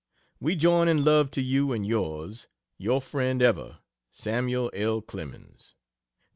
We join in love to you and yours. Your friend ever, SAML. L. CLEMENS.